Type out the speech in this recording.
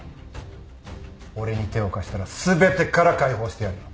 俺に手を貸したら全てから解放してやるよ。